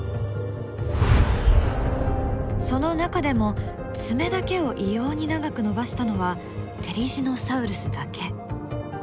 その中でも爪だけを異様に長く伸ばしたのはテリジノサウルスだけ。